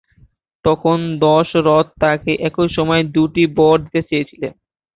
তখন দশরথ তাঁকে একই সময়ে দুটি বর দিতে চেয়েছিলেন।